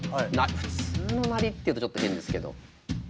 「普通の鳴り」って言うとちょっと変ですけど。